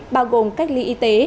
bao gồm cách ly y tế